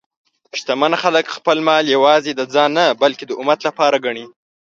شتمن خلک خپل مال یوازې د ځان نه، بلکې د امت لپاره ګڼي.